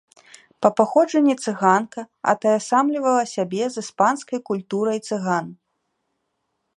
Па паходжанні цыганка, атаясамлівала сябе з іспанскай культурай цыган.